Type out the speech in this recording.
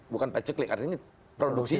bukan pacekli artinya produksi